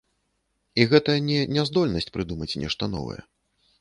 І гэта не няздольнасць прыдумаць нешта новае.